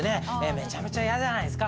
めちゃめちゃ嫌じゃないですか。